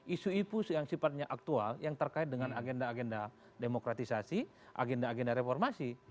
isu isu yang sifatnya aktual yang terkait dengan agenda agenda demokratisasi agenda agenda reformasi